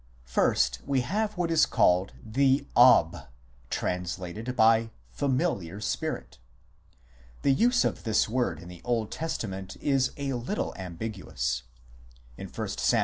First we have what is called the Ob, translated by " familiar spirit." The use of this word in the Old Testa ment is a little ambiguous ; in 1 Sam.